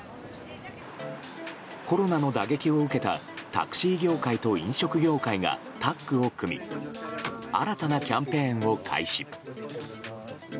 コロナの打撃を受けたタクシー業界と飲食業界がタッグを組み新たなキャンペーンを開始。